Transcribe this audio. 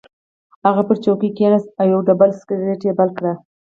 هغه پر څوکۍ کېناست او یو ډبل سګرټ یې بل کړ